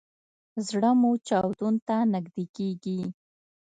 زړه مو چاودون ته نږدې کیږي